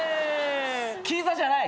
キザじゃない。